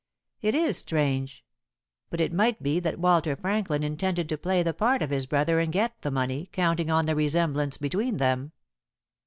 "It is strange. But it might be that Walter Franklin intended to play the part of his brother and get the money, counting on the resemblance between them."